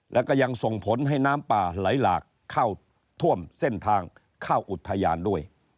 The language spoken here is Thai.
แล้วก็ยังส่งผลให้น้ำป่าไหลหลากเข้าท่วมเส้นทางเข้าอุทยานด้วย